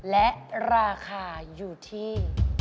และราคาอยู่ที่